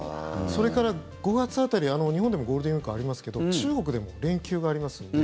それから５月辺り、日本でもゴールデンウィークありますけど中国でも連休がありますので。